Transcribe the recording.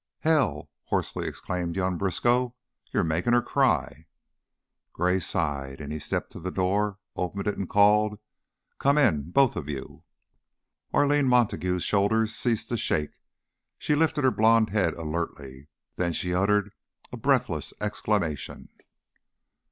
"Hell!" hoarsely exclaimed young Briskow. "You're makin' her cry!" Gray sighed; he stepped to the door, opened it and called, "Come in, both of you." Arline Montague's shoulders ceased to shake, she lifted her blond head alertly. Then she uttered a breathless exclamation.